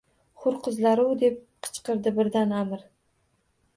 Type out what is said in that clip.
— Hur qizlar-u-u! — deb qichqirdi birdan Аmir